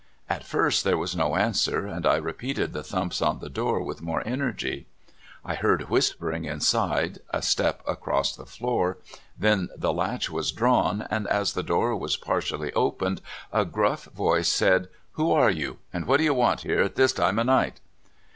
At first there was no answer, and I re peated the thumps on the door with more energy. I heard whispering inside, a step across the floor, then the latch was drawn, and as the door was partially opened a gruff voice said: "Who are you? and what do you want here at this time o' night?"